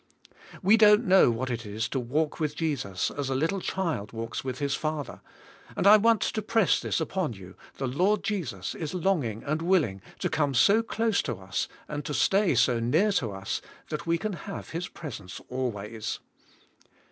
We don't know what it is to walk with Jesus as a little child walks with his father, and I want to press this upon you, the Lord Jesus is longing and S^ FitiyKD wii'H The spirit. 11^ willing' to come so close to us and to stay so near to us that we can have His presence always.